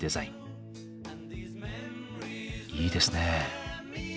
いいですね。